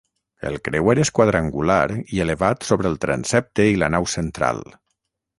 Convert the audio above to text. El creuer és quadrangular i elevat sobre el transsepte i la nau central.